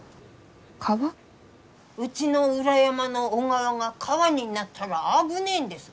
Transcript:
うちの裏山の小川が川になったら危ねえんです。